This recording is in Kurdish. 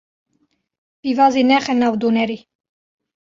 Pîvazê nexe nav donerê.